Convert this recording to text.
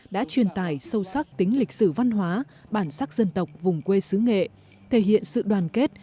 đã truyền tài sâu sắc tính lịch sử văn hóa bản sắc dân tộc vùng quê xứ nghệ thể hiện sự đoàn kết